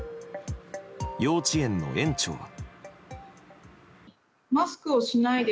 幼稚園の園長は。